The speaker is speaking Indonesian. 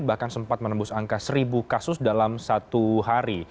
bahkan sempat menembus angka seribu kasus dalam satu hari